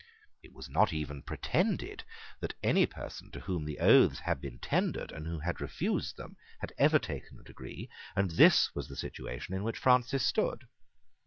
It was not even pretended that any person to whom the oaths had been tendered and who had refused them had ever taken a degree; and this was the situation in which Francis stood.